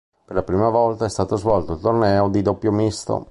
Per la prima volta è stato svolto il torneo di doppio misto.